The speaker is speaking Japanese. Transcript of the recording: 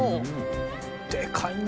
でかいな。